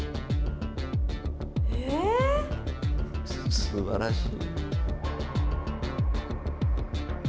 すばらしい。